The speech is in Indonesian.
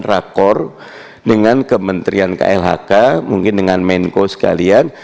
rakor dengan kementerian klhk mungkin dengan menko sekalian